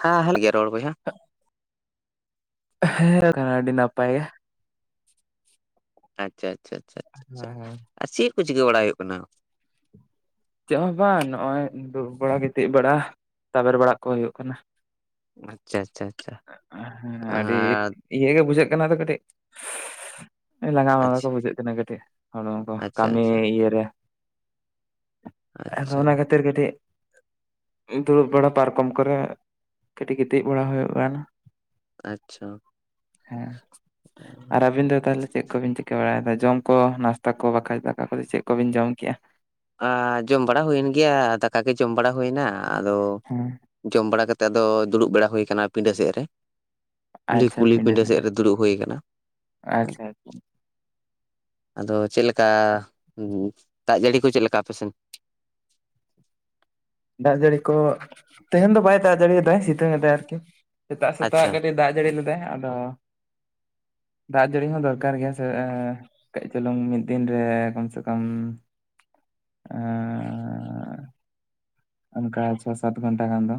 ᱦᱮᱸ [unintelligible] ᱜᱮ ᱨᱚᱲ ᱵᱚᱭᱦᱟ ᱾ ᱦᱮᱸ [unintelligible] ᱟᱹᱰᱤ ᱱᱟᱯᱟᱭᱟ᱾ ᱟᱪᱪᱷᱟ ᱟᱪᱪᱷᱟ ᱟᱪᱪᱷᱟ ᱦᱮᱸ ᱦᱮᱸ᱾ ᱾ᱪᱮᱫ ᱠᱚ ᱪᱤᱠᱟᱹ ᱵᱟᱲᱟ ᱦᱩᱭᱩᱜ ᱠᱟᱱᱟ? ᱪᱮᱫ ᱦᱚᱸ ᱵᱟᱝ ᱱᱚᱜᱼᱚᱭ ᱫᱩᱲᱩᱵ ᱵᱟᱲᱟ, ᱜᱤᱛᱤᱡ ᱵᱟᱲᱟ, ᱛᱟᱵᱮᱨ ᱵᱟᱲᱟ ᱠᱚ ᱦᱩᱭᱩᱜ ᱠᱟᱱᱟ᱾ ᱟᱪᱪᱷᱟ ᱟᱪᱪᱷᱟ ᱟᱪᱪᱷᱟ ᱟᱹᱰᱤ ᱟᱨ ᱤᱭᱟᱹ ᱜᱮ ᱵᱩᱡᱷᱟᱹᱜ ᱠᱟᱱᱟ ᱛᱚ ᱠᱟᱹᱴᱤᱡ᱾ ᱞᱟᱸᱜᱟ ᱢᱟᱸᱜᱟ ᱠᱚ ᱟᱪᱪᱷᱟ ᱵᱩᱡᱷᱟᱹᱜ ᱠᱟᱱᱟ ᱠᱟᱹᱴᱤᱡ᱾ ᱦᱚᱲᱢᱚ ᱠᱚ ᱟᱪᱪᱷᱟ ᱠᱟᱹᱢᱤ ᱟᱪᱪᱷᱟ ᱤᱭᱟᱹ ᱨᱮ ᱟᱨ ᱟᱪᱪᱷᱟ ᱚᱱᱟ ᱠᱷᱟᱹᱛᱤᱨ ᱠᱟᱹᱴᱤᱡ ᱫᱩᱲᱩᱵ ᱵᱟᱲᱟ ᱯᱟᱨᱠᱚᱢ ᱠᱚᱨᱮ ᱾ᱠᱟᱹᱴᱤᱡ ᱜᱤᱛᱤᱡ ᱵᱟᱲᱟ ᱦᱩᱭᱩᱜ ᱠᱟᱱ ᱟᱪᱪᱷᱟ ᱦᱮᱸ, ᱟᱨ ᱟᱹᱵᱤᱱ ᱫᱚ ᱛᱟᱦᱞᱮ? ᱪᱮᱫ ᱠᱚᱵᱤᱱ ᱪᱤᱠᱟᱹ ᱵᱟᱲᱟᱭᱮᱫᱟ? ᱡᱚᱢ ᱠᱚ ᱱᱟᱥᱛᱟ ᱠᱚ ᱵᱟᱠᱷᱟᱡ ᱫᱟᱠᱟ ᱠᱚᱫᱚ ᱪᱮᱫ ᱠᱚᱵᱤᱱ ᱡᱚᱢ ᱠᱮᱜᱼᱟ? ᱟᱻ ᱡᱚᱢ ᱵᱟᱲᱟ ᱦᱩᱭᱮᱱ ᱜᱮᱭᱟ ᱫᱟᱠᱟ ᱜᱮ ᱡᱚᱢ ᱵᱟᱲᱟ ᱦᱩᱭᱱᱟ ᱟᱫᱚ ᱦᱮᱸ ᱡᱚᱢ ᱵᱟᱲᱟ ᱠᱟᱛᱮᱫ ᱟᱫᱚ ᱫᱩᱲᱩᱵ ᱵᱟᱲᱟ ᱦᱩᱭ ᱠᱟᱱᱟ ᱯᱤᱸᱰᱟᱹ ᱥᱮᱫ ᱨᱮ ᱠᱩᱞᱦᱤ ᱟᱪᱪᱷᱟ ᱠᱩᱞᱦᱤ ᱯᱤᱸᱰᱟᱹ ᱟᱪᱪᱷᱟ ᱥᱮᱫ ᱨᱮ ᱫᱩᱲᱩᱵ ᱦᱩᱭ ᱠᱟᱱᱟ ᱟᱪᱪᱷᱟ ᱾ ᱟᱫᱚ ᱪᱮᱫ ᱞᱮᱠᱟ ᱫᱟᱜ ᱡᱟᱹᱲᱤ ᱠᱩ ᱪᱮᱫ ᱞᱮᱠᱟ ᱟᱯᱮ ᱥᱮᱱ? ᱫᱟᱜ ᱡᱟᱹᱲᱤ ᱠᱚ ᱛᱮᱦᱮᱱ ᱫᱚ ᱵᱟᱭ ᱫᱟᱜ ᱡᱟᱹᱲᱤᱭᱮᱫᱟᱭ ᱥᱤᱛᱩᱝ ᱮᱫᱟᱭ ᱟᱨᱠᱤ ᱾ ᱥᱮᱛᱟᱜ ᱥᱮᱛᱟᱜ ᱟᱪᱪᱷᱟ ᱠᱟᱹᱴᱤᱡ ᱫᱟᱜ ᱡᱟᱹᱲᱤ ᱞᱮᱫᱟᱭ ᱟᱫᱚ [inaudible] ᱫᱟᱜ ᱡᱟᱹᱲᱤ ᱦᱚᱸ ᱫᱚᱨᱠᱟᱨ ᱜᱮᱭᱟ ᱥᱮ ᱮᱸ ᱠᱟᱹᱡ ᱪᱩᱞᱩᱝ ᱢᱤᱫ ᱫᱤᱱ ᱨᱮ ᱠᱚᱢ ᱥᱮ ᱠᱚᱢ ᱮᱸ ᱚᱱᱠᱟ ᱪᱷᱚ-ᱥᱟᱛ ᱜᱷᱚᱱᱴᱟ ᱜᱟᱱ ᱫᱚ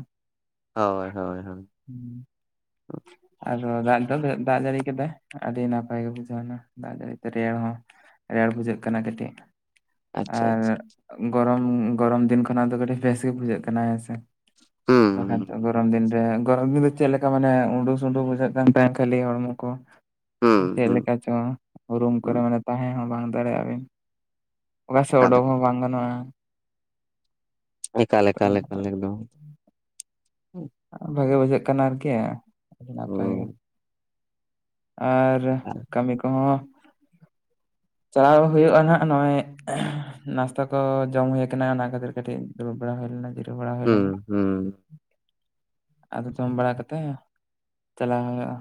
ᱦᱳᱭ ᱦᱳᱭ ᱦᱳᱭ ᱾ [inaudible] [inaudible] ᱟᱫᱚ ᱫᱟᱜ ᱫᱚ ᱫᱟᱜ ᱡᱟᱹᱲᱤ ᱠᱮᱫᱟᱭ ᱟᱰᱤ ᱱᱟᱯᱟᱭ ᱜᱮ ᱵᱩᱡᱷᱟᱹᱣ ᱱᱟ ᱫᱟᱜ ᱡᱟᱹᱲᱤ ᱛᱮ ᱨᱮᱭᱟᱲ ᱦᱚᱸ ᱾ ᱨᱮᱭᱟᱲ ᱵᱩᱡᱷᱟᱹᱜ ᱠᱟᱱᱟ ᱠᱟᱹᱴᱤᱡ ᱟᱪᱪᱷᱟ ᱟᱨ ᱟᱪᱪᱷᱟ ᱜᱚᱨᱚᱢ ᱜᱚᱨᱚᱢ ᱫᱤᱱ ᱠᱷᱚᱱᱟᱜ ᱫᱚ ᱠᱟᱹᱴᱤᱡ ᱵᱮᱥ ᱜᱮ ᱵᱩᱡᱷᱟᱹᱜ ᱠᱟᱱᱟ ᱦᱮᱸᱥᱮ ᱦᱩᱸ ᱵᱟᱠᱷᱟᱱ ᱫᱚ ᱦᱩᱸ ᱜᱚᱨᱚᱢ ᱫᱤᱱ ᱨᱮ ᱜᱚᱨᱚᱢ ᱫᱤᱱ ᱫᱚ ᱪᱮᱫ ᱞᱮ ᱠᱟ ᱢᱟᱱᱮ ᱩᱸᱰᱩ-ᱥᱩᱸᱰᱩ ᱵᱩᱡᱷᱟᱹᱜ ᱠᱟᱱ ᱛᱟᱸᱦᱮ ᱠᱷᱟᱹᱞᱤ ᱦᱚᱲᱢᱚ ᱠᱚ ᱾ ᱦᱩᱸ ᱪᱮᱫ ᱦᱩᱸ ᱞᱮᱠᱟ ᱪᱚᱝ ᱨᱩᱢ ᱦᱩᱸ ᱠᱚᱨᱮ ᱢᱟᱱᱮ ᱛᱟᱸᱦᱮ ᱦᱚᱸ ᱵᱟᱝ ᱫᱟᱲᱮᱭᱟᱜ-ᱟ ᱵᱤᱱ ᱾ ᱚᱠᱟ ᱥᱮᱫ ᱮᱠᱟᱞ ᱚᱰᱳᱠ ᱦᱚᱸ ᱵᱟᱝ ᱜᱟᱱᱚᱜ-ᱟ ᱾ ᱮᱠᱟᱞ-ᱮᱠᱟᱞ-ᱮᱠᱟᱞ ᱮᱠᱫᱚᱢ ᱾ ᱵᱷᱟᱜᱮ ᱵᱩᱡᱷᱟᱹᱜ ᱠᱟᱱᱟ ᱟᱨᱠᱤ ᱱᱟᱯᱟᱭ ᱜᱮ ᱾ ᱦᱩᱸ ᱟᱨ ᱠᱟᱢᱤ ᱠᱚᱦᱚᱸ ᱪᱟᱞᱟᱣ ᱦᱳᱭᱳᱜ-ᱟ ᱱᱟᱦᱟᱜ ᱱᱚᱜ-ᱚᱭ ᱱᱟᱥᱛᱟ ᱠᱚ ᱡᱚᱢ ᱦᱳᱭ ᱠᱟᱱᱟ ᱚᱱᱟ ᱠᱷᱟᱹᱛᱤᱨ ᱠᱟᱹᱴᱤᱡ ᱫᱩᱲᱩᱵ ᱵᱟᱲᱟ ᱦᱳᱭ ᱞᱮᱱᱟ ᱵᱤᱨ ᱦᱩᱸ ᱦᱩᱸ ᱾ ᱟᱫᱚ ᱡᱚᱢ ᱵᱟᱲᱟ ᱠᱟᱛᱮ ᱪᱟᱞᱟᱣ ᱦᱳᱭᱳᱜ-ᱟ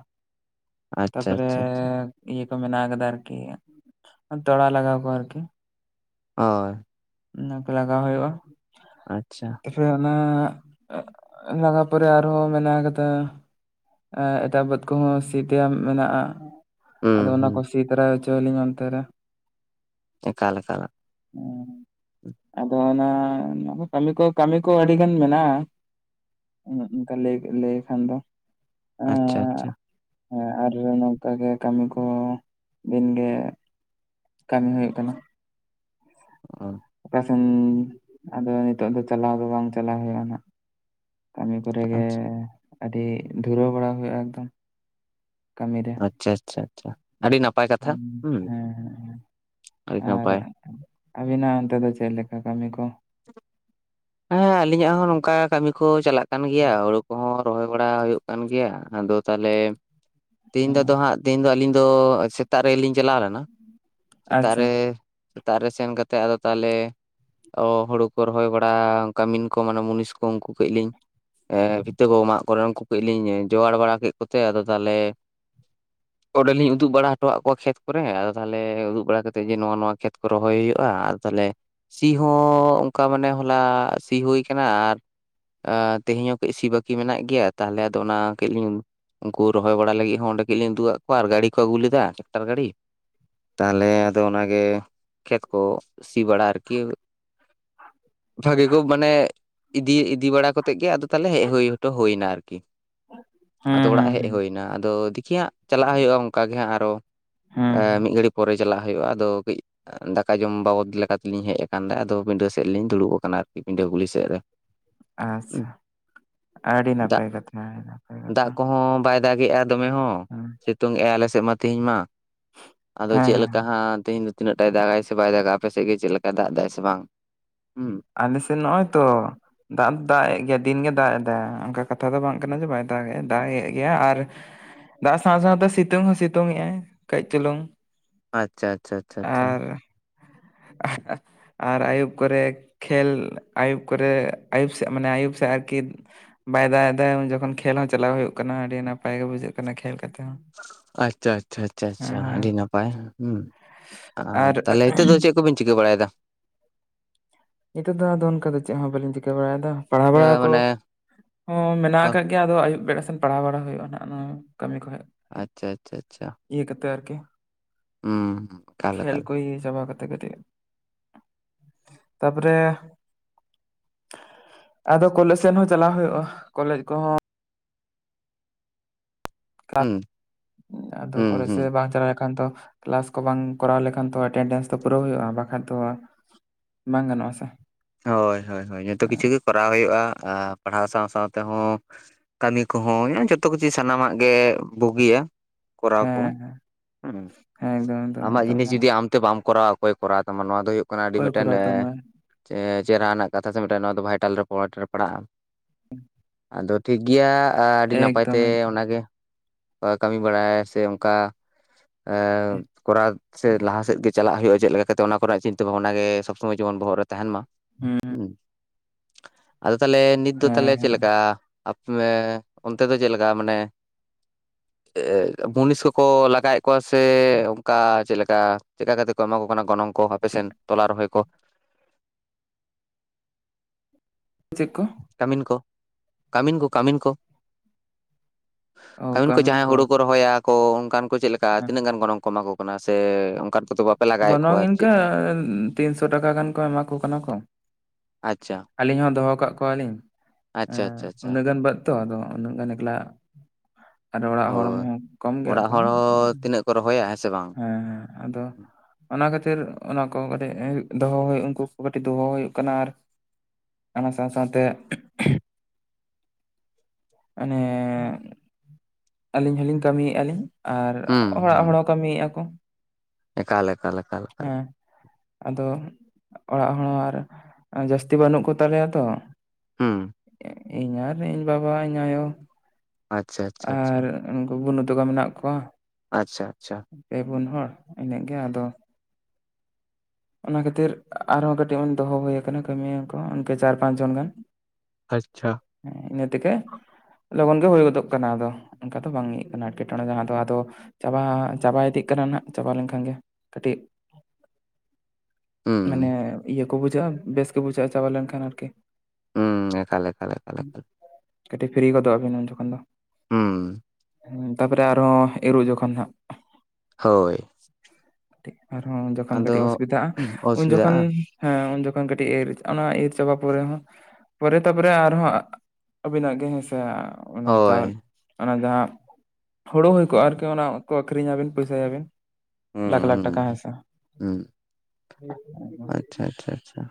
᱾ ᱟᱪᱪᱷᱟ ᱛᱟᱯᱚᱨᱮᱻ ᱟᱪᱪᱷᱟ ᱟᱪᱪᱷᱟ ᱤᱭᱟᱹ ᱠᱚ ᱢᱮᱱᱟᱜ ᱠᱟᱫᱟ ᱟᱨᱠᱤ ᱛᱚᱲᱟ ᱞᱟᱜᱟᱣ ᱠᱚ ᱟᱨᱠᱤ ᱾ ᱦᱚᱭ᱾ ᱚᱱᱟ ᱠᱚ ᱞᱟᱜᱟᱣ ᱦᱩᱭᱩᱜ-ᱟ ᱾ ᱟᱪ-ᱪᱷᱟ ᱨᱮ ᱚᱱᱟ ᱞᱟᱜᱟᱣ ᱯᱚᱨᱮ ᱟᱨᱦᱚᱸ ᱢᱮᱱᱟᱜ ᱠᱟᱫᱟ᱾ ᱮᱸ ᱮᱴᱟᱜ ᱵᱟᱹᱫ ᱠᱚᱦᱚᱸ ᱥᱤ ᱛᱮ ᱮᱢ ᱢᱮᱱᱟᱜ-ᱟ ᱾ ᱦᱩᱸ ᱟᱫᱚ ᱚᱱᱟ ᱦᱩᱸ ᱠᱚ ᱥᱤ ᱛᱟᱨᱟᱭ ᱦᱚᱪᱚᱭ ᱟᱹᱞᱤᱧ ᱚᱱᱛᱮ ᱨᱮ ᱾ ᱮᱠᱟᱞ-ᱮᱠᱟᱞ ᱾ ᱚᱸ ᱟᱫᱚ ᱚᱱᱟ ᱠᱟᱢᱤ ᱠᱚ ᱠᱟᱢᱤ ᱠᱚ ᱟᱰᱤ ᱜᱟᱱ ᱢᱮᱱᱟᱜ-ᱟ ᱾ [unintelligible] ᱚᱱᱠᱟ ᱞᱟᱹᱭ ᱞᱟᱹᱭ ᱠᱷᱟᱱ ᱫᱚ ᱟᱪᱪᱷᱟ-ᱟᱪᱪᱷᱟ ᱾ ᱦᱮᱸ ᱟᱨ ᱱᱚᱝᱠᱟ ᱜᱮ ᱠᱟᱢᱤ ᱠᱚ ᱫᱤᱱ ᱜᱮ ᱠᱟᱢᱤ ᱦᱳᱭᱳᱜ ᱠᱟᱱᱟ ᱾ [unintelligible] ᱥᱮᱱ ᱟᱫᱚ ᱱᱤᱛᱚᱜ ᱫᱚ ᱪᱟᱞᱟᱣ ᱫᱚ ᱵᱟᱝ ᱪᱟᱞᱟᱣ ᱦᱳᱭᱳᱜ-ᱟ ᱱᱟᱜ ᱠᱟᱢᱤ ᱠᱚᱨᱮ ᱜᱮ ᱟᱹᱰᱤ ᱫᱷᱩᱨᱟᱹᱣ ᱵᱟᱲᱟ ᱦᱳᱭᱳᱜ-ᱟ ᱱᱤᱛᱚᱝ ᱾ ᱟᱪᱪᱷᱟ ᱟᱪᱪᱷᱟ ᱟᱪᱪᱷᱟ ᱟᱹᱰᱤ ᱱᱟᱯᱟᱭ ᱠᱟᱛᱷᱟ ᱦᱩᱸ ᱦᱮᱸ ᱦᱮᱸ ᱾ [unintelligible] ᱱᱟᱯᱟᱭ ᱾ ᱟᱵᱤ ᱱᱟᱜ ᱚᱱᱛᱮ ᱫᱚ ᱪᱮᱫ ᱞᱮᱠᱟ ᱠᱟᱹᱢᱤ ᱠᱚ? ᱦᱮᱸ ᱟᱞᱤᱧᱟᱜ ᱦᱚᱸ ᱱᱚᱝᱠᱟ ᱠᱟᱹᱢᱤ ᱠᱚ ᱪᱟᱞᱟᱜ ᱠᱟᱱ ᱜᱮᱭᱟ, ᱦᱳᱲᱳ ᱠᱚᱦᱚᱸ ᱨᱚᱦᱚᱭ ᱵᱟᱲᱟ ᱦᱳᱭᱳᱜ ᱠᱟᱱ ᱜᱮᱭᱟ ᱟᱫᱚ ᱛᱟᱦᱚᱞᱮ ᱛᱮᱦᱤᱧ ᱫᱚ ᱟᱫᱚ ᱦᱮᱸ, ᱦᱟᱸᱜ ᱛᱮᱦᱤᱧ ᱫᱚ ᱟᱹᱞᱤᱧ ᱫᱚ ᱥᱮᱛᱟᱜ ᱨᱮᱞᱤᱧ ᱪᱟᱞᱟᱣ ᱞᱮᱱᱟ, ᱥᱮᱛᱟᱜ ᱟᱪᱪᱷᱟ ᱨᱮ ᱥᱮᱛᱟᱜ ᱨᱮ ᱥᱮᱱ ᱠᱟᱛᱮᱫ ᱟᱫᱚ ᱛᱟᱦᱚᱞᱮ ᱚ ᱦᱳᱲᱩ ᱠᱚ ᱨᱚᱦᱚᱭ ᱵᱟᱲᱟ, ᱠᱟᱢᱤᱱ ᱠᱚ ᱢᱟᱱᱮ ᱢᱩᱱᱤᱥ ᱠᱚ ᱩᱱᱠᱩ ᱠᱟᱹᱡ ᱞᱤᱧ ᱵᱷᱤᱛᱟᱹ ᱠᱚ ᱢᱟᱜ ᱠᱚᱨᱮ ᱩᱱᱠᱩ ᱠᱟᱹᱡ ᱞᱤᱧ ᱡᱳᱜᱟᱲ ᱵᱟᱲᱟ ᱠᱮᱫ ᱠᱚᱛᱮ ᱟᱫᱚ ᱛᱟᱦᱚᱞᱮ ᱚᱸᱰᱮᱞᱤᱧ ᱩᱫᱩᱜ ᱵᱟᱲᱟ ᱦᱚᱴᱚᱣᱟᱜ ᱠᱚᱣᱟ ᱠᱷᱮᱛ ᱠᱚᱨᱮ ᱟᱫᱚ ᱛᱟᱦᱚᱞᱮ ᱩᱫᱩᱜ ᱵᱟᱲᱟ ᱠᱟᱛᱮᱫ ᱡᱮ ᱱᱚᱣᱟ ᱱᱚᱣᱟ ᱠᱷᱮᱛ ᱠᱚ ᱨᱚᱦᱚᱭ ᱦᱩᱭᱩᱜᱼᱟ ᱾ ᱛᱟᱦᱞᱮ ᱥᱤ ᱦᱚᱸ ᱚᱱᱠᱟ ᱢᱟᱱᱮ ᱦᱚᱞᱟ ᱥᱤ ᱦᱩᱭ ᱠᱟᱱᱟ ᱟᱨ ᱛᱮᱦᱮᱧ ᱦᱚᱸ ᱠᱟᱹᱡ ᱥᱤ ᱵᱟᱹᱠᱤ ᱢᱮᱱᱟᱜ ᱜᱮᱭᱟ, ᱛᱟᱦᱚᱞᱮ ᱟᱫᱚ ᱚᱱᱟ ᱠᱟᱹᱡ ᱞᱤᱧ ᱩᱱᱠᱩ ᱨᱚᱦᱚᱭ ᱵᱟᱲᱟ ᱞᱟᱹᱜᱤᱫ ᱚᱸᱰᱮ ᱠᱟᱹᱡ ᱞᱤᱧ ᱩᱫᱩᱜ ᱟᱜ ᱠᱚᱣᱟ ᱜᱟᱲᱤ ᱞᱮᱫᱟ ᱴᱮᱠᱴᱟᱨ ᱜᱟᱲᱤ᱾ ᱛᱟᱦᱚᱞᱮ ᱟᱫᱚ ᱚᱱᱟᱜᱮ ᱠᱷᱮᱛ ᱠᱚ ᱥᱤ ᱵᱟᱲᱟ ᱟᱨᱠᱤ᱾ ᱵᱷᱟᱜᱤ ᱠᱚ ᱢᱟᱱᱮ ᱤᱫᱤ ᱤᱫᱤ ᱵᱟᱲᱟ ᱠᱟᱛᱮ ᱜᱮ ᱟᱫᱚ ᱛᱟᱞᱦᱮ ᱦᱮᱡᱽ ᱦᱩᱭ ᱦᱚᱴᱚ ᱦᱩᱭᱱᱟ ᱟᱨᱠᱤ, ᱟᱫᱚ ᱦᱩᱸ ᱚᱲᱟᱜ ᱦᱩᱸ ᱦᱮᱡ ᱦᱩᱸ ᱦᱩᱭ ᱮᱱᱟ ᱟᱫᱚ ᱫᱤᱠᱷᱤ ᱦᱟᱸᱜ ᱪᱟᱞᱟᱜ ᱦᱩᱭᱩᱜᱼᱟ ᱚᱱᱠᱟᱜᱮ ᱦᱟᱸᱜ ᱟᱨᱚ, ᱦᱩᱸ ᱢᱤᱫ ᱜᱷᱟᱹᱲᱤᱡ ᱯᱚᱨᱮ ᱪᱟᱞᱟᱜ ᱦᱩᱭᱩᱜᱼᱟ ᱟᱫᱚ ᱠᱟᱹᱡ ᱫᱟᱠᱟ ᱡᱚᱢ ᱵᱟᱵᱚᱫ ᱞᱮᱠᱟ ᱛᱮᱞᱤᱧ ᱦᱮᱡᱽ ᱟᱠᱟᱱ ᱟᱫᱚ ᱯᱤᱰᱟᱹ ᱥᱮᱫ ᱨᱮᱞᱤᱧ ᱫᱩᱲᱩᱵ ᱟᱠᱟᱱᱟ ᱟᱨᱠᱤ ᱯᱤᱰᱟᱹ ᱜᱩᱞᱤ ᱥᱮᱫ ᱨᱮ ᱾ ᱟᱪᱪᱷᱟ, ᱟᱹᱰᱤ ᱫᱟᱜ ᱱᱟᱯᱟᱭ ᱠᱟᱛᱷᱟ᱾ ᱫᱟᱜ ᱠᱚᱦᱚᱸ ᱵᱟᱭ ᱫᱟᱜᱮᱜᱼᱟ ᱫᱚᱢᱮ ᱦᱚᱸ ᱦᱮᱸ ᱥᱤᱛᱩᱝ ᱮᱜ ᱟᱭ ᱟᱞᱮ ᱥᱮᱫ ᱢᱟ ᱛᱮᱦᱮᱧ ᱢᱟ᱾ ᱟᱫᱚ ᱦᱮᱸ ᱪᱮᱫ ᱞᱮᱠᱟ ᱦᱮᱸ ᱦᱟᱸᱜ ᱛᱮᱦᱤᱧ ᱫᱚ ᱛᱤᱱᱟᱹᱜ ᱴᱟᱭ ᱫᱟᱜᱟᱭ ᱥᱮ ᱵᱟᱭ ᱫᱟᱜᱟ ᱟᱯᱮ ᱥᱮᱫ ᱜᱮ ᱪᱮᱫ ᱞᱮᱠᱟ ᱫᱟᱜ ᱫᱟᱭ ᱥᱮ ᱵᱟᱝ? ᱦᱩᱸ ᱟᱞᱮᱥᱮᱫ ᱱᱚᱜᱼᱚᱭ ᱛᱚ ᱫᱟᱜ ᱫᱚ ᱫᱟᱜ ᱮᱫ ᱜᱮᱭᱟ ᱫᱤᱱᱜᱮ ᱫᱟᱜ ᱮᱫᱟ ᱚᱱᱠᱟ ᱠᱟᱛᱷᱟ ᱫᱚ ᱵᱟᱝ ᱠᱟᱱᱟ ᱡᱮ ᱵᱟᱭ ᱫᱟᱜ ᱮ ᱫᱟᱜ ᱮᱫ ᱜᱮᱭᱟ ᱟᱨ ᱫᱟᱜ ᱥᱟᱶ ᱥᱟᱶᱛᱮ ᱥᱤᱛᱩᱝ ᱦᱚᱸ ᱥᱤᱛᱩᱝ ᱮᱸᱜ ᱟᱭ ᱠᱟᱹᱡ ᱪᱩᱞᱩᱝ᱾ ᱟᱪᱪᱷᱟ, ᱟᱪᱪᱷᱟ, ᱟᱪᱪᱷᱟ, ᱟᱪᱪᱷᱟ᱾ ᱟᱨ ᱟᱨ ᱟᱭᱩᱵ ᱠᱚᱨᱮ ᱠᱷᱮᱞ ᱟᱭᱩᱵ ᱠᱚᱨᱮ ᱟᱹᱭᱩᱵ ᱥᱮ ᱢᱟᱱᱮ ᱟᱹᱭᱩᱵ ᱥᱮ ᱟᱨᱠᱤ ᱵᱟᱭ ᱫᱟᱜ ᱮᱫᱟ ᱩᱱ ᱡᱚᱠᱷᱚᱱ ᱠᱷᱮᱞ ᱦᱚᱸ ᱪᱟᱞᱟᱣ ᱦᱩᱭᱩᱜ ᱠᱟᱱᱟ ᱟᱹᱰᱤ ᱱᱟᱯᱟᱭ ᱜᱮ ᱵᱩᱡᱷᱟᱹᱜ ᱠᱟᱱᱟ ᱠᱷᱮᱞ ᱠᱟᱛᱮ ᱦᱚᱸ᱾ ᱟᱪᱪᱷᱟ, ᱟᱪᱪᱷᱟ, ᱟᱪᱪᱷᱟ, ᱟᱪᱪᱷᱟ, ᱦᱮᱸ ᱦᱮᱸ ᱟᱹᱰᱤ ᱱᱟᱯᱟᱭ ᱦᱩᱸ, ᱟᱨ ᱛᱟᱦᱞᱮ ᱱᱤᱛᱚᱜ ᱫᱚ ᱪᱮᱜ ᱵᱤᱱ ᱪᱤᱠᱟᱹ ᱵᱟᱲᱟᱭ ᱫᱟ? ᱱᱤᱛᱚᱜ ᱫᱚ ᱟᱫᱚ ᱚᱱᱠᱟ ᱫᱚ ᱪᱮᱫ ᱦᱚᱸ ᱵᱟᱹᱞᱤᱧ ᱪᱤᱠᱟᱹ ᱵᱟᱲᱟᱭ ᱫᱟ, ᱯᱟᱲᱦᱟᱣ ᱵᱟᱲᱟ ᱠᱚ ᱢᱟᱱᱮ ᱦᱚᱸ ᱢᱮᱱᱟᱜ ᱟᱪᱪᱷᱟ ᱟᱠᱟᱫ ᱜᱮᱭᱟ ᱟᱫᱚ ᱟᱹᱭᱩᱵ ᱵᱮᱲᱟ ᱥᱮᱱ ᱯᱟᱲᱟᱣ ᱵᱟᱲᱟ ᱦᱩᱭᱩᱜᱼᱟ ᱱᱟᱜ ᱱᱚᱣᱟ ᱠᱟᱹᱢᱤ ᱠᱚ ᱦᱮᱡ ᱟᱪᱪᱷᱟ, ᱟᱪᱪᱷᱟ, ᱟᱪᱪᱷᱟ᱾ ᱤᱭᱟᱹ ᱠᱟᱛᱮ ᱟᱨᱠᱤ, ᱮᱠᱟᱞ ᱠᱷᱮᱞ ᱮᱠᱟᱞ ᱠᱚ ᱤᱭ ᱪᱟᱵᱟ ᱠᱟᱛᱮ᱾ ᱛᱟᱯᱚᱨᱮ ᱟᱫᱚ ᱠᱚᱞᱮᱡ ᱥᱮᱱ ᱦᱚᱸ ᱪᱟᱞᱟᱣ ᱦᱩᱭᱩᱜᱼᱟ, ᱠᱚᱞᱮᱡ ᱠᱚᱦᱚᱸ ᱦᱩᱸ ᱟᱫᱚ ᱦᱩᱸ ᱠᱳᱞᱮᱡ ᱦᱩᱸ ᱥᱮᱫ ᱵᱟᱝ ᱪᱟᱞᱟᱣ ᱞᱮᱠᱷᱟᱱ ᱛᱚ ᱠᱮᱞᱟᱥ ᱠᱚ ᱵᱟᱝ ᱠᱚᱨᱟᱣ ᱞᱮᱠᱷᱟᱱ ᱛᱚ ᱮᱴᱮᱱᱰᱮᱱᱥ ᱫᱚ ᱯᱩᱨᱟᱹᱣ ᱦᱩᱭᱩᱜᱼᱟ, ᱵᱟᱠᱷᱟᱡ ᱫᱚ ᱵᱟᱝ ᱜᱟᱱᱚᱜᱼᱟ ᱥᱮ᱾ ᱦᱳᱭ, ᱦᱳᱭ, ᱦᱳᱭ, ᱡᱚᱛᱚ ᱠᱤᱪᱷᱩ ᱜᱮ ᱠᱚᱨᱟᱣ ᱦᱩᱭᱩᱜᱼᱟ ᱯᱟᱲᱦᱟᱣ ᱥᱟᱶ ᱥᱟᱶ ᱛᱮᱦᱚᱸ᱾ ᱠᱟᱹᱢᱤ ᱠᱚᱦᱚᱸ ᱡᱚᱛᱚ ᱠᱤᱪᱷᱩ ᱥᱟᱱᱟᱢᱟᱜ ᱜᱮ ᱵᱩᱜᱤᱭᱟ ᱾ ᱠᱚᱨᱟᱣ ᱠᱚ, ᱦᱮᱸ ᱦᱩᱸ ᱦᱮᱸ ᱮᱠᱫᱚᱢ ᱮᱠᱫᱚᱢ ᱟᱢᱟᱜ ᱮᱠᱫᱚᱢ ᱡᱤᱱᱤᱥ ᱡᱩᱫᱤ ᱟᱢ ᱛᱮ ᱵᱟᱢ ᱠᱚᱨᱟᱣᱟ ᱚᱠᱚᱭ ᱠᱚᱨᱣᱟ ᱛᱟᱢᱟ ᱱᱚᱣᱟ ᱫᱚ ᱦᱩᱭᱩᱜ ᱠᱟᱱᱟ ᱟᱹᱰᱤ ᱚᱠᱚᱭ ᱢᱤᱫᱴᱮᱱ ᱠᱚᱨᱟᱣ ᱛᱟᱢᱟ ᱥᱮ ᱪᱮᱦᱨᱟ ᱨᱮᱱᱟᱜ ᱠᱟᱛᱷᱟ ᱥᱮ ᱢᱤᱫᱴᱟᱝ ᱱᱚᱣᱟ ᱫᱚ ᱵᱷᱟᱭᱴᱟᱞ ᱨᱮᱠᱚᱰ ᱨᱮ ᱯᱟᱲᱟᱜᱼᱟ ᱾ ᱟᱫᱚ ᱴᱷᱤᱠ ᱜᱮᱭᱟ ᱟᱹᱰᱤ ᱱᱟᱯᱟᱭ ᱮᱠᱫᱚᱢ ᱛᱮ ᱮᱠᱫᱚᱢ ᱚᱱᱟᱜᱮ ᱠᱟᱹᱢᱤ ᱵᱟᱲᱟᱭ ᱥᱮ ᱚᱱᱠᱟ ᱠᱚᱨᱟᱣ ᱥᱮ ᱮᱠᱫᱚᱢ᱾ ᱞᱟᱦᱟ ᱥᱮᱫ ᱜᱮ ᱪᱟᱞᱟᱜ ᱦᱩᱭᱩᱜᱼᱟ ᱪᱮᱜ ᱞᱮᱠᱟ ᱠᱟᱛᱮ ᱚᱱᱟ ᱠᱚᱨᱮᱱᱟᱜ ᱪᱤᱱᱛᱟᱹ ᱵᱷᱟᱵᱽᱱᱟ ᱜᱮ ᱥᱚᱵ ᱥᱚᱢᱚᱭ ᱡᱮᱢᱚᱱ ᱵᱚᱦᱚᱜ ᱨᱮ ᱛᱟᱦᱮᱸᱱ ᱢᱟ᱾ ᱦᱩᱸᱦᱩᱸ, ᱦᱩᱸ ᱟᱫᱚ ᱛᱟᱦᱚᱞᱮ ᱱᱤᱛ ᱫᱚ ᱛᱟᱦᱚᱞᱮ ᱦᱮᱸ ᱪᱮᱜ ᱦᱮᱸ ᱞᱮᱠᱟ ᱟᱯᱮ ᱚᱱᱛᱮ ᱫᱚ ᱪᱮᱜ ᱞᱮᱠᱟ ᱢᱟᱱᱮ, ᱮ ᱮ ᱢᱩᱱᱤᱥ ᱠᱚᱠᱚ ᱞᱟᱜᱟᱭᱮᱜ ᱠᱚ ᱥᱮ ᱚᱝᱠᱟ ᱪᱮᱜ ᱞᱮᱠᱟ ᱪᱮᱫᱠᱟ ᱠᱟᱛᱮ ᱠᱚ ᱮᱢᱟᱣ ᱠᱚ ᱠᱟᱱᱟ ᱜᱚᱱᱚᱝ ᱠᱚ ᱟᱯᱮ ᱪᱮᱫ ᱥᱮᱱ ᱛᱚᱞᱟ ᱨᱚᱦᱚᱭ ᱠᱚ? ᱪᱮᱫ ᱠᱚ? ᱠᱟᱢᱤᱱ ᱠᱚ ᱠᱟᱢᱤᱱ ᱠᱚ ᱠᱟᱢᱤᱱ ᱠᱚ᱾ ᱠᱟᱹᱢᱤᱱ ᱠᱚ ᱡᱟᱦᱟᱸᱭ ᱦᱩᱲᱩ ᱠᱚ ᱨᱚᱦᱚᱭᱟ ᱠᱚ ᱚᱱᱠᱟᱱ ᱠᱚ ᱪᱮᱫ ᱞᱮᱠᱟ ᱦᱮᱸ ᱛᱤᱱᱟᱹᱜ ᱜᱟᱱ ᱜᱚᱱᱚᱝ ᱠᱚ ᱮᱢᱟ ᱠᱚ ᱠᱟᱱᱟ ᱥᱮ ᱚᱱᱠᱟᱱ ᱠᱚᱫᱚ ᱵᱟᱯ ᱜᱚᱱᱚᱝ ᱤᱱᱠᱟᱹ ᱛᱤᱱᱥᱚ ᱴᱟᱠᱟ ᱜᱟᱱ ᱠᱚ ᱮᱢᱟ ᱠᱚ ᱠᱟᱱᱟ ᱠᱚ᱾ ᱟᱪᱪᱷᱟ ᱟᱹᱞᱤᱧ ᱦᱚᱸ ᱫᱚᱦᱚ ᱠᱟᱜ ᱠᱚᱣᱟᱞᱤᱧ, ᱟᱪᱪᱷᱟ ᱮᱸ ᱟᱪᱪᱷᱟ ᱟᱪᱪᱷᱟ ᱩᱱᱟᱹᱜ ᱜᱟᱱ ᱵᱟᱹᱫᱽ ᱛᱚ ᱟᱫᱚ ᱩᱱᱟᱹᱜ ᱜᱟᱱ ᱮᱠᱞᱟ ᱟᱫᱚ ᱚᱲᱟᱜ ᱦᱚᱲ ᱦᱳᱭ ᱦᱚᱸ ᱠᱚᱢ ᱜᱮᱭᱟ ᱚᱲᱟᱜ ᱠᱚ᱾ ᱦᱚᱲ ᱦᱚᱸ ᱛᱤᱱᱟᱹᱜ ᱠᱚ ᱨᱚᱦᱚᱭᱟ ᱦᱮᱸ ᱥᱮ ᱵᱟᱝ᱾ ᱦᱮᱸ ᱦᱮᱸ ᱟᱫᱚ, ᱚᱱᱟ ᱠᱷᱟᱹᱛᱤᱨ ᱚᱱᱟ ᱠᱚ ᱠᱟᱹᱴᱤᱜ ᱫᱚᱦᱚ ᱦᱩᱭ ᱩᱱᱠᱩ ᱠᱚ ᱠᱟᱹᱴᱤᱜ ᱫᱚᱦᱚ ᱦᱩᱭᱩᱜ ᱠᱟᱱᱟ ᱟᱨ ᱚᱱᱟ ᱥᱟᱶᱼᱥᱟᱶᱛᱮ ᱢᱟᱱᱮ ᱟᱹᱞᱤᱧ ᱦᱚᱸᱞᱤᱧ ᱠᱟᱹᱢᱤᱭᱮᱜᱼᱟ ᱞᱤᱧ ᱟᱨ ᱦᱩᱸ ᱚᱲᱟᱜ ᱦᱩᱸ ᱦᱚᱲ ᱦᱚᱸ ᱠᱟᱹᱢᱤᱭᱮᱜᱼᱟ ᱠᱚ᱾ ᱮᱠᱟᱞ ᱮᱠᱟᱞ ᱮᱠᱟᱞ ᱮᱠᱟᱞ᱾ ᱦᱮᱸ ᱟᱫᱚ ᱚᱲᱟᱜ ᱦᱚᱲ ᱦᱚᱸ ᱟᱨ ᱡᱟᱹᱥᱛᱤ ᱵᱟᱹᱱᱩᱜ ᱠᱚᱛᱟᱞᱮᱭᱟ ᱛᱚ᱾ ᱦᱩᱸ ᱤᱧ ᱤᱧ ᱵᱟᱵᱟ ᱤᱧ ᱟᱭᱳ᱾ ᱟᱪᱪᱷᱟ ᱟᱪᱪᱷᱟ ᱟᱪᱪᱷᱟ ᱟᱨ ᱩᱱᱠᱩ ᱠᱚ ᱱᱚᱛᱮ ᱠᱚ ᱢᱮᱱᱟᱜ ᱠᱚᱭᱟ᱾ ᱟᱪᱪᱷᱟ ᱟᱪᱪᱷᱟ᱾ ᱯᱮ ᱯᱩᱱ ᱦᱚᱲ ᱤᱱᱟᱹᱜ ᱜᱮ ᱟᱫᱚ, ᱚᱱᱟ ᱠᱷᱟᱹᱛᱤᱨ ᱟᱨᱦᱚᱸ ᱠᱟᱹᱴᱤᱜ ᱦᱚᱲ ᱫᱚᱦᱚ ᱦᱩᱭ ᱟᱠᱟᱱᱟ ᱠᱟᱹᱢᱤᱭᱟᱹ ᱠᱚ ᱤᱱᱠᱟᱹ ᱪᱟᱨ ᱯᱟᱸᱪ ᱡᱚᱱ ᱜᱟᱱ᱾ ᱟᱪᱪᱷᱟ᱾ ᱦᱮᱸ ᱤᱱᱟᱹᱛᱮᱜᱮ, ᱞᱚᱜᱚᱱ ᱜᱮ ᱦᱩᱭ ᱜᱚᱫᱚᱜ ᱠᱟᱱᱟ ᱟᱫᱚ, ᱚᱝᱠᱟ ᱫᱚ ᱵᱟᱝ ᱤᱭᱟᱹᱜ ᱠᱟᱱᱟ ᱮᱴᱠᱮᱴᱚᱬᱮᱸ ᱡᱟᱦᱟᱸ ᱫᱚ ᱟᱫᱚ, ᱪᱟᱵᱟ ᱦᱟᱸᱜ ᱪᱟᱵᱟ ᱤᱫᱤᱜ ᱠᱟᱱᱟ ᱱᱟᱦᱟᱸᱜ ᱪᱟᱵᱟ ᱞᱮᱱᱠᱷᱟᱱ ᱜᱮ, ᱠᱟᱹᱴᱤᱜ ᱦᱩᱸ ᱢᱟᱱᱮ ᱤᱭᱟᱹ ᱠᱚ ᱵᱩᱡᱷᱟᱹᱜᱼᱟ ᱵᱮᱥ ᱜᱮ ᱵᱩᱡᱷᱟᱹᱜᱼᱟ ᱪᱟᱵᱟ ᱞᱮᱱᱠᱷᱟᱱ ᱟᱨᱠᱤ᱾ ᱦᱩᱸ ᱮᱠᱟᱞ ᱮᱠᱟᱞ ᱮᱠᱟᱞ ᱮᱠᱟᱞ᱾ ᱫᱤᱜᱫᱤᱨᱤ ᱜᱚᱫᱚᱜ ᱵᱮᱱ ᱩᱱ ᱡᱚᱠᱷᱚᱱ ᱫᱚ᱾ ᱦᱩᱸ᱾ ᱛᱟᱯᱚᱨᱮ ᱟᱨᱦᱚᱸ ᱤᱨᱚᱜ ᱡᱚᱠᱷᱚᱱ ᱦᱟᱸᱜ᱾ ᱦᱳᱭ ᱠᱟᱹᱴᱤᱜ ᱟᱨᱦᱚᱸ ᱡᱚᱠᱷᱚᱱ ᱟᱫᱚ ᱠᱟᱹᱴᱤᱜ ᱚᱥᱩᱵᱤᱛᱷᱟᱜ-ᱟ, ᱩᱱ ᱡᱚᱠᱷᱚᱱ, ᱚᱥᱩᱵᱤᱫᱷᱟᱜᱼᱟ ᱦᱮᱸ ᱩᱱ ᱡᱚᱠᱷᱚᱱ ᱠᱟᱹᱴᱤᱜ ᱤᱨ ᱚᱱᱟ ᱤᱨ ᱪᱟᱵᱟ ᱯᱚᱨᱮ ᱦᱚᱸ, ᱯᱚᱨᱮ ᱛᱟᱨᱯᱚᱨᱮ ᱟᱨᱦᱚᱸ ᱟᱹᱵᱤᱱᱟᱜ ᱜᱮ ᱦᱮᱸ ᱥᱮ ᱚᱱᱟ ᱦᱳᱭ ᱪᱟᱣ ᱚᱱᱟ ᱡᱟᱦᱟᱸ ᱦᱩᱲᱩ ᱦᱩᱭ ᱠᱚᱜᱼᱟ ᱟᱨᱠᱤ ᱚᱱᱟ ᱠᱚ ᱟᱹᱠᱷᱨᱤᱧᱟᱵᱤᱱ ᱯᱚᱭᱥᱟᱭᱟᱵᱤᱱ᱾ ᱞᱟᱠᱷ ᱦᱩᱸ ᱞᱟᱠᱷ ᱴᱟᱠᱟ ᱦᱩᱸ ᱦᱮᱸ ᱥᱮ᱾ ᱦᱩᱸ, ᱟᱪᱪᱷᱟ ᱟᱪᱪᱷᱟ ᱟᱪᱪᱷᱟ᱾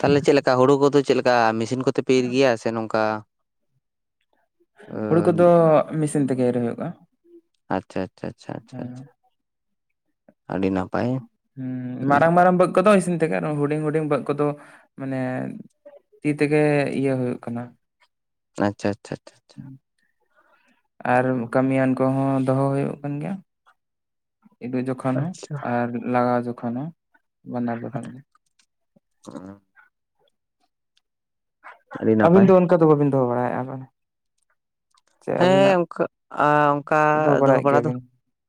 ᱛᱟᱦᱚᱞᱮ ᱪᱮᱜ ᱞᱮᱠᱟ ᱦᱩᱲᱩ ᱠᱚᱫᱚ ᱪᱮᱜ ᱞᱮᱠᱟ ᱢᱮᱥᱤᱱ ᱠᱚᱛᱮ ᱯᱮ ᱤᱨ ᱜᱮᱭᱟ ᱥᱮ ᱱᱚᱝᱠᱟ ᱦᱩᱲᱩ ᱟᱸ ᱠᱚᱫᱚ ᱢᱮᱥᱤᱱ ᱛᱮᱜᱮ ᱮᱨ ᱦᱩᱭᱩᱜᱼᱟ᱾ ᱟᱪᱪᱷᱟ ᱟᱪᱪᱷᱟ ᱟᱪᱪᱷᱟ ᱟᱪᱪᱷᱟ ᱦᱮᱸ ᱟᱪᱪᱷᱟ ᱟᱹᱰᱤ ᱱᱟᱯᱟᱭ᱾ ᱦᱩᱸ ᱢᱟᱨᱟᱝ ᱢᱟᱨᱟᱝ ᱵᱟᱹᱫᱽ ᱠᱚᱫᱚ ᱤᱥᱤᱱ ᱛᱮᱜᱮ ᱟᱨᱚ ᱦᱩᱸᱰᱤᱧ ᱦᱩᱸᱰᱤᱧ ᱵᱟᱹᱫᱽ ᱠᱚᱫᱚ ᱢᱟᱱᱮ, ᱛᱤ ᱛᱮᱜᱮ ᱤᱭᱟᱹ ᱦᱩᱭᱩᱜ ᱠᱟᱱᱟ᱾ ᱟᱪᱪᱷᱟ ᱟᱪᱪᱷᱟ ᱟᱪᱪᱷᱟ ᱟᱪᱪᱷᱟ᱾ ᱟᱨ ᱠᱟᱹᱢᱤᱭᱟᱱ ᱠᱚᱦᱚᱸ ᱫᱚᱦᱚ ᱦᱩᱭᱩᱜ ᱠᱟᱱ ᱜᱮᱭᱟ᱾ ᱤᱫᱩ ᱡᱚᱠᱷᱚᱱ ᱦᱚᱸ ᱟᱪᱪᱷᱟ ᱟᱨ ᱞᱟᱜᱟᱣ ᱡᱚᱠᱷᱚᱱ ᱦᱚᱸ ᱵᱟᱱᱟᱨ ᱡᱚᱠᱷᱚᱱ ᱜᱮ᱾ ᱚ᱾ ᱟᱹᱰᱤ ᱟᱹᱵᱤᱱ ᱱᱟᱯᱟᱭ ᱫᱚ ᱚᱱᱠᱟ ᱫᱚ ᱵᱟᱵᱤᱱ ᱫᱚᱦᱚ ᱵᱟᱲᱟᱭᱮᱫᱼᱟ ᱯᱟᱞᱮ ᱦᱮᱸ ᱚᱱᱠᱟ, ᱟ ᱚᱱᱠᱟ ᱫᱚᱦᱚ ᱵᱟᱲᱟᱭᱮᱫ ᱵᱟᱲᱟ ᱫᱚ, ᱜᱮᱭᱟᱵᱤᱱ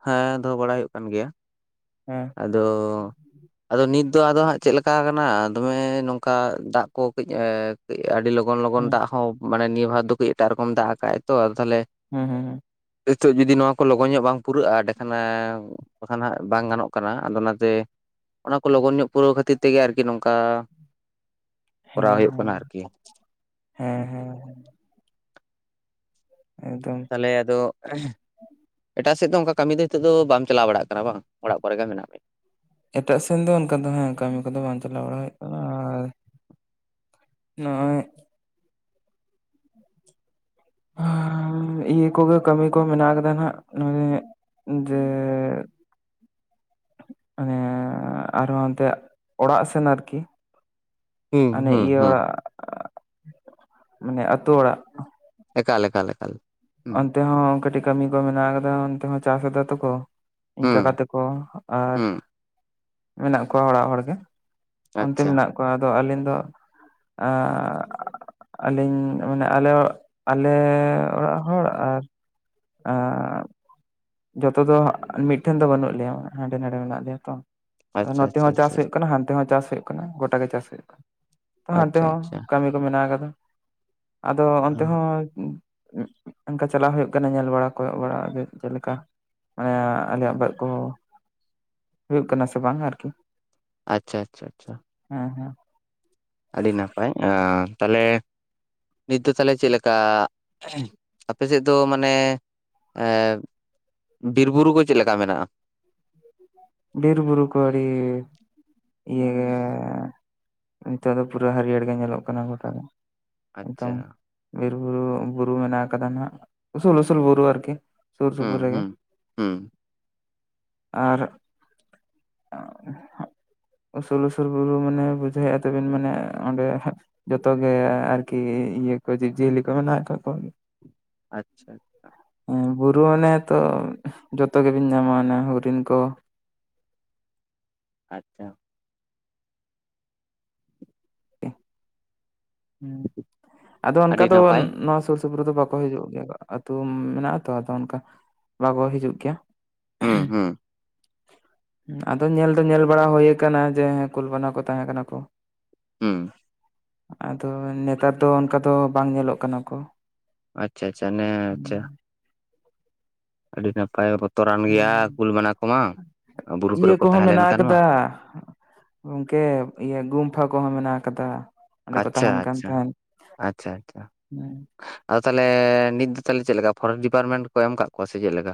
ᱦᱮᱸ ᱫᱚᱦᱚ ᱵᱟᱲᱟᱭ ᱦᱩᱭᱩᱜ ᱠᱟᱱ ᱜᱮᱭᱟ᱾ ᱦᱮᱸ᱾ ᱟᱫᱚ ᱟᱫᱚ ᱱᱤᱛ ᱫᱚ ᱟᱫᱚ ᱦᱟᱸᱜ ᱪᱮᱫ ᱞᱮᱠᱟ ᱠᱟᱱᱟ ᱫᱚᱢᱮ ᱱᱚᱝᱠᱟ ᱫᱟᱜ ᱠᱚ ᱠᱟᱹᱡ ᱮ ᱠᱟᱹᱡ ᱟᱹᱰᱤ ᱞᱚᱜᱚᱱ ᱞᱚᱜᱚᱱ ᱦᱩᱸ ᱫᱟᱜ ᱦᱚᱸ ᱢᱟᱱᱮ ᱱᱤᱭᱟᱹ ᱵᱟᱨ ᱫᱚ ᱠᱟᱹᱡ ᱮᱴᱟᱜ ᱨᱚᱠᱚᱢ ᱫᱟᱜ ᱟᱠᱟᱜ-ᱟᱭ ᱛᱚ ᱟᱫᱚ ᱛᱟᱦᱞᱮ ᱦᱮᱸ ᱦᱮᱸ ᱦᱮᱸ᱾ ᱦᱤᱛᱚᱜ ᱡᱩᱫᱤ ᱱᱚᱣᱟ ᱠᱚ ᱞᱚᱜᱚᱱ ᱧᱚᱜ ᱵᱟᱝ ᱯᱩᱨᱟᱹᱜᱼᱟ ᱮᱸᱰᱮ ᱠᱷᱟᱱᱮ ᱮ ᱵᱟᱠᱷᱟᱱ ᱦᱟᱸᱜ ᱵᱟᱝ ᱜᱟᱱᱚᱜ ᱠᱟᱱᱟ ᱟᱫᱚ ᱚᱱᱟᱛᱮ, ᱚᱱᱟ ᱠᱚ ᱞᱚᱜᱚᱱ ᱧᱚᱜ ᱯᱩᱨᱟᱹᱣ ᱠᱷᱟᱹᱛᱤᱨ ᱛᱮᱜᱮ ᱟᱨᱠᱤ ᱱᱚᱝᱠᱟ ᱠᱚᱨᱟᱣ ᱦᱮᱸ ᱦᱩᱭᱩᱜ ᱠᱟᱱᱟ ᱦᱮᱸ, ᱟᱨᱠᱤ ᱦᱮᱸ ᱦᱮᱸ ᱦᱮᱸ᱾ ᱮᱠᱫᱚᱢ ᱛᱟᱦᱚᱞᱮ ᱟᱫᱚ ᱮᱴᱟᱜ ᱥᱮᱫ ᱫᱚ ᱚᱱᱠᱟ ᱠᱟᱹᱢᱤ ᱫᱚ ᱦᱤᱛᱚᱜ ᱫᱚ ᱵᱟᱢ ᱪᱟᱞᱟᱣ ᱵᱟᱲᱟᱜ ᱠᱟᱱᱟ ᱵᱟᱝ? ᱚᱲᱟᱜ ᱠᱚᱨᱮ ᱜᱮ ᱢᱮᱱᱟᱜ ᱢᱮ᱾ ᱮᱴᱟᱜ ᱥᱮᱱ ᱫᱚ ᱚᱱᱠᱟ ᱫᱚ ᱦᱮᱸ ᱠᱟᱹᱢᱤ ᱠᱚᱫᱚ ᱵᱟᱝ ᱪᱟᱞᱟᱣ ᱵᱟᱲᱟ ᱦᱩᱭᱩᱜ ᱠᱟᱱᱟ ᱟᱨ ᱱᱚᱜ-ᱚᱭ [inaudible] ᱩᱸ ᱤᱭᱟᱹ ᱠᱚᱜᱮ ᱠᱟᱹᱢᱤ ᱠᱚ ᱢᱮᱱᱟᱜ ᱟᱠᱟᱫᱟ ᱱᱟᱦᱟᱜ ᱱᱚᱭ ᱡᱮ ᱢᱟᱱᱮ ᱟᱨᱦᱚᱸ ᱦᱟᱱᱛᱮ ᱚᱲᱟᱜ ᱥᱮᱱ ᱟᱨᱠᱤ᱾ ᱦᱩᱸ ᱟᱱᱮ ᱦᱩᱸ ᱤᱭᱟᱹ ᱦᱩᱸ ᱚᱲᱟᱜ, ᱢᱟᱱᱮ ᱟᱛᱳ ᱚᱲᱟᱜ ᱮᱠᱟᱞ ᱮᱠᱟᱞ ᱮᱠᱟᱞ᱾ ᱦᱩᱸ ᱚᱱᱛᱮ ᱦᱚᱸ ᱠᱟᱹᱴᱤ ᱠᱟᱹᱢᱤ ᱠᱚ ᱢᱮᱱᱟᱜ ᱟᱠᱟᱫᱟ ᱚᱱᱛᱮ ᱦᱚᱸ ᱪᱟᱥᱮ ᱫᱟ ᱛᱚᱠᱚ᱾ ᱤᱧ ᱦᱩᱸ ᱠᱟᱠᱟ ᱛᱟᱠᱚ ᱟᱨ ᱦᱩᱸ ᱢᱮᱱᱟᱜ ᱠᱚᱣᱟ ᱚᱲᱟᱜ ᱦᱚᱲᱜᱮ᱾ ᱚᱱᱛᱮ ᱟᱪᱪᱷᱟ ᱢᱮᱱᱟᱜ ᱠᱚᱣᱟ ᱟᱫᱚ ᱟᱹᱞᱤᱧ ᱫᱚ ᱮᱸ ᱟᱹᱞᱤᱧ ᱢᱟᱱᱮ ᱟᱞᱮ, ᱟᱞᱮ ᱚᱲᱟᱜ ᱦᱚᱲ ᱟᱨ ᱟᱸ ᱡᱚᱛᱚ ᱫᱚ ᱢᱤᱫᱴᱷᱮᱱ ᱫᱚ ᱵᱟᱹᱱᱩᱜ ᱞᱮᱭᱟ, ᱦᱟᱸᱰᱮ ᱱᱟᱰᱮ ᱢᱮᱱᱟᱜ ᱞᱮᱭᱟ ᱛᱚ᱾ ᱟᱫᱚ ᱟᱪᱪᱷᱟ ᱱᱚᱛᱮ ᱟᱪᱪᱷᱟ ᱦᱚᱸ ᱟᱪᱪᱷᱟ ᱪᱟᱥ ᱦᱩᱭᱩᱜ ᱠᱟᱱᱟ ᱦᱟᱱᱛᱮ ᱦᱚᱸ ᱪᱟᱥ ᱦᱩᱭᱩᱜ ᱠᱟᱱᱟ ᱜᱚᱴᱟ ᱜᱮ ᱪᱟᱥ ᱦᱩᱭᱩᱜ ᱠᱟᱱᱟ᱾ ᱛᱚ ᱦᱟᱱᱛᱮ ᱟᱪᱪᱷᱟ ᱟᱪᱪᱷᱟ ᱦᱚᱸ ᱠᱟᱹᱢᱤ ᱠᱚ ᱢᱮᱱᱟᱜ ᱟᱠᱟᱫᱟ, ᱟᱫᱚ ᱚᱱᱛᱮ ᱦᱚᱸ ᱩᱸᱜ ᱚᱱᱠᱟ ᱪᱟᱞᱟᱜ ᱦᱩᱭᱩᱜ ᱠᱟᱱᱟ ᱧᱮᱞ ᱵᱟᱲᱟ ᱠᱚᱭᱚᱜ ᱵᱟᱲᱟ ᱟᱫᱚ ᱪᱮᱞᱮᱠᱟ ᱢᱟᱱᱮ ᱟᱞᱮᱭᱟᱜ ᱵᱟᱹᱫᱽ ᱠᱚ᱾ ᱦᱩᱭᱩᱜ ᱠᱟᱱᱟ ᱥᱮ ᱵᱟᱝ ᱟᱨᱠᱤ᱾ ᱟᱪᱪᱷᱟ ᱟᱪᱪᱷᱟ ᱟᱪᱪᱷᱟ᱾ ᱦᱮᱸ ᱦᱮᱸ᱾ ᱟᱹᱰᱤ ᱱᱟᱯᱟᱭ ᱟ ᱛᱟᱞᱮ ᱱᱤᱛ ᱫᱚ ᱛᱟᱞᱮ ᱪᱮᱫ ᱞᱮᱠᱟ? ᱟᱯᱮᱥᱮᱫ ᱫᱚ ᱢᱟᱱᱮ ᱮ ᱵᱤᱨ ᱵᱩᱨᱩ ᱠᱚ ᱪᱮᱫ ᱞᱮᱠᱟ ᱢᱮᱱᱟᱜᱼᱟ? ᱵᱤᱨ ᱵᱩᱨᱩ ᱠᱚ ᱟᱹᱰᱤ ᱤᱭᱟᱹ ᱜᱮ ᱱᱤᱛᱚᱜ ᱫᱚ ᱯᱩᱨᱟᱹ ᱦᱟᱹᱨᱭᱟᱹᱲ ᱜᱮ ᱧᱮᱞᱚᱜ ᱠᱟᱱᱟ ᱜᱚᱴᱟ ᱜᱮ᱾ ᱟᱪᱪᱷᱟ ᱱᱤᱛᱳᱝ ᱵᱤᱨ ᱵᱩᱨᱩ ᱵᱩᱨᱩ ᱢᱮᱱᱟᱜ ᱠᱟᱫᱟ ᱱᱟᱦᱟᱜ, ᱩᱥᱩᱞ ᱩᱥᱩᱞ ᱵᱩᱨᱩ ᱟᱨᱠᱤ᱾ ᱥᱩᱨ ᱦᱩᱸ ᱥᱩᱯᱩᱨ ᱨᱮᱜᱮ, ᱦᱩᱸ ᱦᱩᱸ ᱟᱨ ᱩᱥᱩᱞ ᱩᱥᱩᱞ ᱵᱩᱨᱩ ᱢᱟᱱᱮ ᱵᱩᱡᱷᱟᱹᱣᱮᱫᱼᱟ ᱛᱟᱵᱮᱱ ᱢᱟᱱᱮ ᱚᱸᱰᱮ ᱡᱚᱛᱚ ᱜᱮ ᱟᱨᱠᱤ ᱤᱭᱟᱹ ᱠᱚ ᱡᱤᱵᱽ ᱡᱤᱭᱟᱹᱞᱤ ᱠᱚ ᱢᱮᱱᱟᱜ ᱠᱟᱜ ᱠᱚᱣᱟ ᱾ ᱟᱪᱪᱷᱟ ᱾ ᱦᱮᱸ ᱵᱩᱨᱩ ᱚᱱᱮ ᱛᱚ, ᱡᱚᱛᱚ ᱜᱮᱵᱤᱱ ᱧᱟᱢᱟ ᱚᱱᱮ ᱦᱚᱨᱤᱱ ᱠᱚ ᱟᱪᱪᱷᱟ ᱾ ᱟᱫᱚ ᱚᱱᱠᱟ ᱟᱹᱰᱤ ᱫᱚ ᱱᱟᱯᱟᱭ ᱱᱚᱣᱟ ᱥᱩᱯᱩᱨ ᱫᱚ ᱵᱟᱠᱚ ᱦᱤᱡᱩᱜ ᱜᱮᱭᱟ ᱟᱹᱛᱩ ᱢᱮᱱᱟᱜ ᱟ ᱛᱚ ᱟᱫᱚ ᱚᱱᱠᱟ ᱵᱟᱠᱚ ᱦᱤᱡᱩᱜ ᱜᱮᱭᱟ᱾ ᱦᱩᱸ ᱦᱩᱸ [unintelligible] ᱟᱫᱚ ᱧᱮᱞ ᱫᱚ ᱧᱮᱞ ᱵᱟᱲᱟ ᱦᱩᱭᱠᱟᱱᱟ ᱡᱮ ᱦᱮᱸ ᱠᱩᱞ, ᱵᱟᱱᱟ ᱠᱚ ᱛᱟᱦᱮᱸ ᱠᱟᱱᱟ ᱠᱚ᱾ ᱦᱮᱸ᱾ ᱟᱫᱚ ᱱᱮᱛᱟᱨ ᱫᱚ ᱚᱱᱠᱟ ᱫᱚ ᱵᱟᱝ ᱧᱮᱞᱚᱜ ᱠᱟᱱᱟ ᱠᱚ᱾ ᱟᱪᱷᱟ ᱟᱪᱷᱟ, ᱱᱮ ᱟᱪᱷᱟ ᱦᱩᱸ ᱟᱹᱰᱤ ᱱᱟᱯᱟᱭ ᱵᱚᱛᱚᱨᱟᱱ ᱜᱮᱭᱟ ᱠᱩᱞ, ᱵᱟᱱᱟ ᱠᱚᱢᱟ ᱵᱩᱨᱩ ᱠᱚᱨᱮ ᱠᱚ ᱛᱟᱦᱮᱸ ᱞᱮᱱ ᱠᱷᱟᱱ ᱢᱟ᱾ ᱦᱮᱸ᱾ ᱜᱚᱢᱠᱮ ᱤᱭᱟᱹ ᱜᱩᱢᱯᱷᱟ ᱠᱚᱦᱚᱸ ᱢᱮᱱᱟᱜ ᱟᱠᱟᱫᱟ᱾ ᱚᱸᱰᱮ ᱠᱚ ᱟᱪᱪᱷᱟ ᱛᱟᱦᱮᱱ ᱠᱟᱱ ᱟᱪᱪᱷᱟ ᱛᱟᱦᱮᱸᱱ ᱟᱪᱪᱷᱟ ᱟᱪᱪᱷᱟ ᱦᱮᱸ᱾ ᱟᱫᱚ ᱛᱟᱦᱚᱞᱮ ᱱᱤᱛ ᱫᱚ ᱛᱟᱦᱚᱞᱮ ᱪᱮᱫ ᱞᱮᱠᱟ ᱯᱷᱚᱨᱮᱥᱴ ᱰᱤᱯᱟᱨᱴᱢᱮᱱᱴ ᱠᱚ ᱮᱢ ᱟᱠᱟᱫ ᱠᱚᱣᱟ ᱥᱮ ᱪᱮᱫ ᱞᱮᱠᱟ?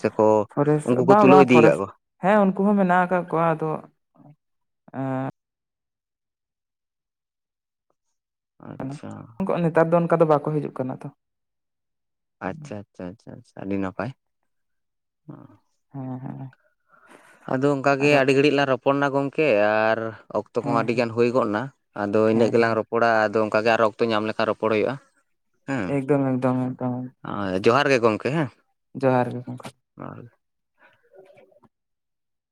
ᱥᱮᱠᱚ ᱯᱷᱚᱨᱮᱥᱴ ᱩᱱᱠᱩ ᱠᱚ ᱵᱟᱝ ᱛᱩᱞᱟᱹᱣ ᱵᱟᱝ ᱤᱫᱤᱠᱟᱫ ᱯᱷᱚᱨᱮᱥᱴ ᱠᱚᱣᱟ? ᱦᱮᱸ ᱩᱱᱠᱩ ᱦᱚᱸ ᱢᱮᱱᱟᱜ ᱟᱠᱟᱫ ᱠᱚᱣᱟ ᱟᱫᱚ ᱮᱸ ᱠᱟᱱᱟ, ᱟᱪᱪᱷᱟ ᱩᱱᱠᱩᱜ ᱟᱜ ᱱᱮᱛᱟᱨ ᱫᱚ ᱚᱱᱠᱟ ᱫᱚ ᱵᱟᱠᱚ ᱦᱤᱡᱩᱜ ᱠᱟᱱᱟ ᱛᱚ ᱾ ᱟᱪᱪᱷᱟ ᱟᱪᱪᱷᱟ ᱟᱪᱪᱷᱟ ᱟᱹᱰᱤ ᱱᱟᱯᱟᱭ᱾ ᱦᱮᱸ ᱦᱮᱸ ᱾ ᱟᱫᱚ ᱚᱱᱠᱟ ᱜᱮ ᱟᱹᱰᱤ ᱜᱷᱟᱹᱲᱤᱡ ᱞᱟᱝ ᱨᱚᱯᱚᱲ ᱱᱟ ᱜᱚᱢᱠᱮ ᱟᱨ ᱚ ᱚᱠᱛᱚ ᱠᱚᱦᱚᱸ ᱦᱮᱸ ᱦᱮᱸ ᱟᱹᱰᱤᱜᱟᱱ ᱦᱩᱭ ᱜᱚᱫ ᱱᱟ᱾ ᱟᱫᱚ ᱤᱱᱟᱹᱜ ᱦᱮᱸ ᱜᱮᱞᱟᱝ ᱦᱮᱸ ᱨᱚᱯᱚᱲᱟ ᱟᱫᱚ ᱚᱱᱠᱟ ᱜᱮ ᱟᱨᱚ ᱚᱠᱛᱚ ᱧᱟᱢ ᱞᱮᱠᱷᱟᱱ ᱨᱚᱯᱚᱲ ᱦᱩᱭᱩᱜ-ᱟ᱾ ᱮᱠᱫᱚᱢ ᱮᱠᱫᱚᱢ ᱮᱠᱫᱚᱢ ᱾ ᱚᱭ ᱡᱚᱦᱟᱨ ᱜᱮ ᱜᱚᱢᱠᱮ ᱦᱮᱸ ᱾ ᱡᱚᱦᱟᱨ ᱜᱮ ᱾ [unintelligible] [unintelligible]